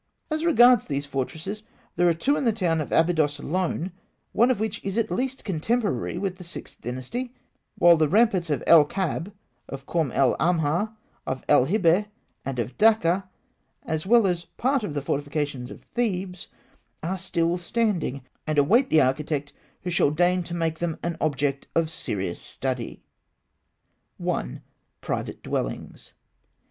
As regards fortresses, there are two in the town of Abydos alone, one of which is at least contemporary with the Sixth Dynasty; while the ramparts of El Kab, of Kom el Ahmar, of El Hibeh, and of Dakkeh, as well as part of the fortifications of Thebes, are still standing, and await the architect who shall deign to make them an object of serious study. 1. PRIVATE DWELLINGS.